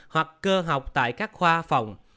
hoặc cơ học tại các khoa phòng